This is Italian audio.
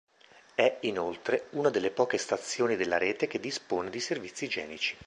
È, inoltre, una delle poche stazioni della rete che dispone di servizi igienici.